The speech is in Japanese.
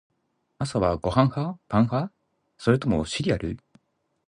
朝はご飯派？パン派？それともシリアル？